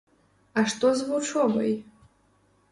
А што з вучобай?